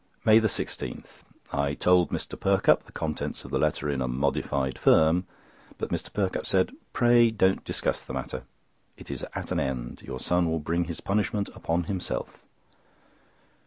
MAY 16.—I told Mr. Perkupp the contents of the letter in a modified form, but Mr. Perkupp said: "Pray don't discuss the matter; it is at an end. Your son will bring his punishment upon himself."